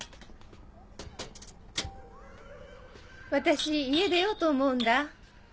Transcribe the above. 私家出ようと思うんだ。